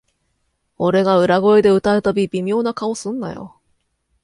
俺が裏声で歌うたび、微妙な顔すんなよ